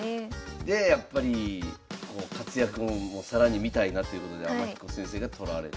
でやっぱり活躍も更に見たいなということで天彦先生が取られて。